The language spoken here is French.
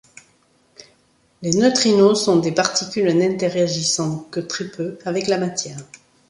Les neutrinos sont des particules n'intéragissant que très peu avec la matière.